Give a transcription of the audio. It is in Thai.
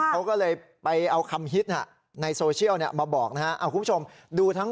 เขาก็เลยไปเอาคำฮิตในโซเชียลมาบอกนะฮะ